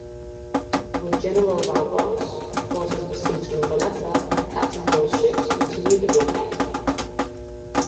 With General Vaubois's forces besieged in Valletta, Captain Ball's ships continued the blockade.